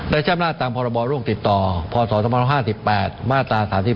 ได้แช่งมาตรการปฏิบัติโรงติดต่อพ๒๕๘มาตรศาสตร์ที่๕